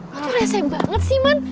lo tuh rese banget sih man